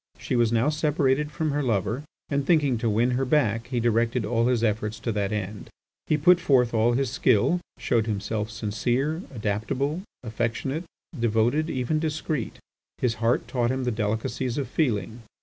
She was now separated from her lover, and, thinking to win her back, he directed all his efforts to that end. He put forth all his skill, showed himself sincere, adaptable, affectionate, devoted, even discreet; his heart taught him the delicacies of feeling.